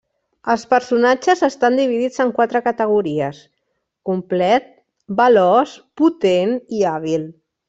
Els personatges estan dividits en quatre categories: complet, veloç, potent i hàbil.